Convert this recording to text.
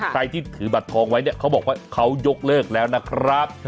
ใครที่ถือบัตรทองไว้เนี่ยเขาบอกว่าเขายกเลิกแล้วนะครับ